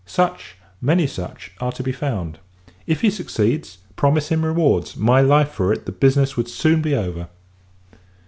Such, many such, are to be found. If he succeeds, promise him rewards; my life for it, the business would soon be over.